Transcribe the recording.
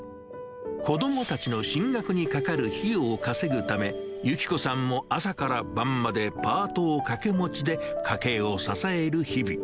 子どもたちの進学にかかる費用を稼ぐため、由紀子さんも朝から晩までパートを掛け持ちで家計を支える日々。